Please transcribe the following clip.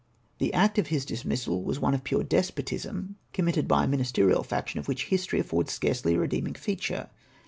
The act of his dismissal was one of pure despotism, committed by a ministerial faction, of which history affords scarcely a redeeming feature.